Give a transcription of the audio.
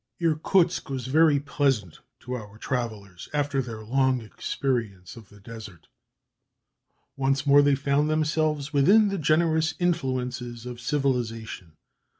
Irkutsk was very pleasant to our travellers after their long experience of the desert. Once more they found themselves within the generous influences of civilization.